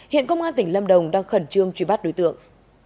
hiện công an tỉnh lâm đồng đang khẩn trương truy bắt đối tượng